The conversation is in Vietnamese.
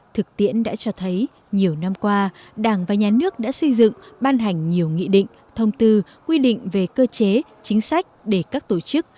thực tiễn đã cho thấy nhiều năm qua đảng và nhà nước đã xây dựng ban hành nhiều nghị định thông tư quy định về cơ chế chính sách để các tổ chức